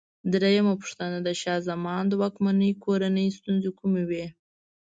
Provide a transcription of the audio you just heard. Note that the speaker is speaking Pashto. درېمه پوښتنه: د شاه زمان د واکمنۍ کورنۍ ستونزې کومې وې؟